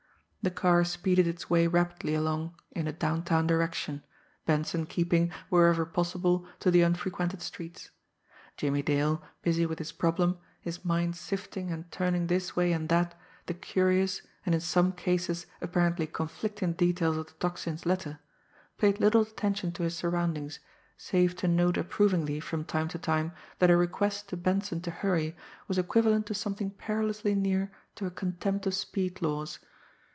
The car speeded its way rapidly along in a downtown direction, Benson keeping, wherever possible, to the unfrequented streets. Jimmie Dale, busy with his problem, his mind sifting and turning this way and that the curious, and in some cases apparently conflicting details of the Tocsin's letter, paid little attention to his surroundings, save to note approvingly from time to time that a request to Benson to hurry was equivalent to something perilously near to a contempt of speed laws.